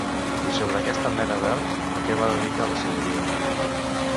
I sobre aquesta mena d'art a què va dedicar la seva vida?